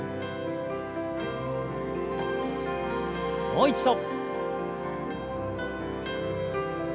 もう一度。